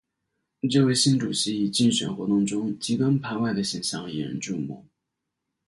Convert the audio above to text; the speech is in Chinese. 这位新主席以竞选活动中极端排外的形象引人注目。